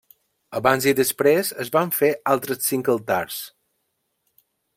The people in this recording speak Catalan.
Abans i després, es van fer altres cinc altars.